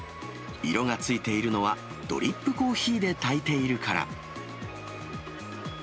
色がついているのは、ドリップコーヒーで炊いているから。